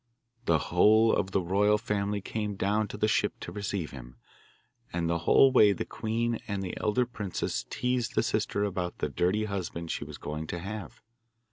The whole of the royal family came down to the ship to receive him, and the whole way the queen and the elder princess teased the sister about the dirty husband she was going to have.